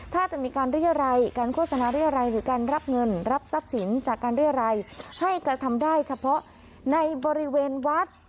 ถ้าจะมีการเรียรัยการโฆษณาเรียรัยหรือการรับเงินรับทรัพย์สินจากการเรียรัยให้กระทำได้เฉพาะในบริเวณวัด